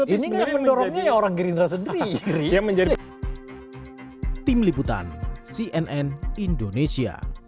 ini kan yang mendorongnya orang gerindra sendiri